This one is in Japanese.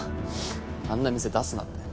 あんな店出すなって。